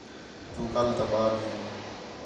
تُو کَل تا ٻال ہیں